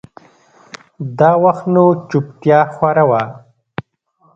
دا وخت نو چوپتيا خوره وه.